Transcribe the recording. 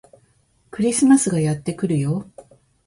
クリスマスがやってくるよ